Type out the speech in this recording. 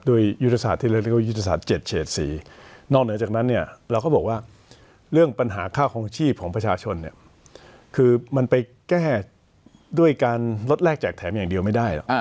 ด้วยอุตสาหรับอุตสาหร่ายเรียกว่าอุตสาหร่าย๗เฉด๔